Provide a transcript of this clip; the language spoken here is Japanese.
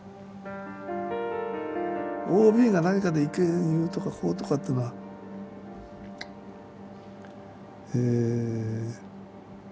ＯＢが何かで意見言うとかこうとかっていうのはえ